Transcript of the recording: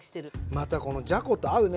またこのじゃこと合うね。